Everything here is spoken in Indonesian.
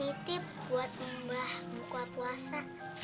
ditip buat mbah buka puasa